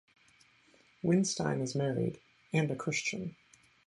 Windstein is married, and a Christian.